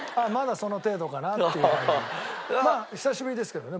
まあ久しぶりですけどね